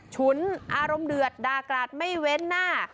ฉุนอารมณ์เดือดดากราศไม่เว้นหน้า